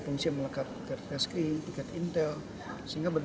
fungsi melekat piket peski intel sehingga betul betul bisa saling mengawasi terlalu